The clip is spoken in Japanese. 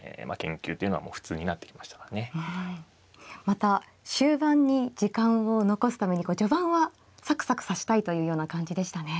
また終盤に時間を残すために序盤はサクサク指したいというような感じでしたね。